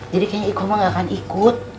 jadi kayaknya ikoh mah gak akan ikut